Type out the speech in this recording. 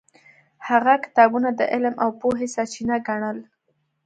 هغه کتابونه د علم او پوهې سرچینه ګڼل.